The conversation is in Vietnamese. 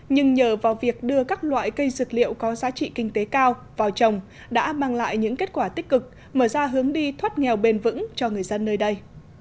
nhưng nhờ vào việc đưa các loại cây dược liệu có giá trị kinh tế cao vào trồng đã mang lại những kết quả tích cực mở ra hướng đi thoát nghèo bền vững cho người dân nơi đây